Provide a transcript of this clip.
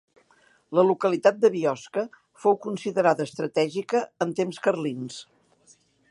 La localitat de Biosca fou considerada estratègica en temps carlins.